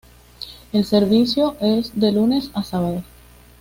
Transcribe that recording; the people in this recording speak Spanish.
El servicio es de lunes a sábados.